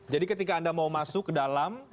ketika anda mau masuk ke dalam